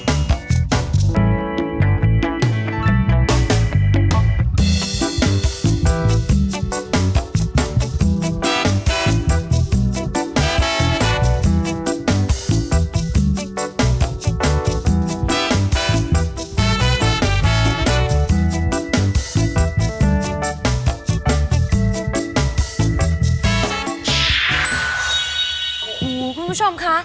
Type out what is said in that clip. โอ้โหคุณผู้ชมคะ